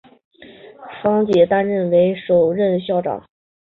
方解吾担任该学堂的首任校长。